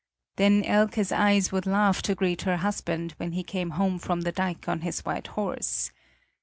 Then Elke's eyes would laugh to greet her husband when he came home from the dike on his white horse.